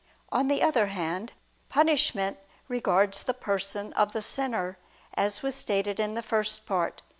On the other hand, punishment regards the person of the sinner, as was stated in the First Part (Q.